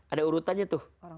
ada urutannya tuh